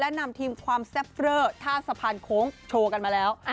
นำทีมความแซ่บเฟอร์ท่าสะพานโค้งโชว์กันมาแล้ว